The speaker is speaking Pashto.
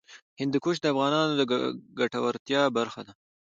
هندوکش د افغانانو د ګټورتیا برخه ده.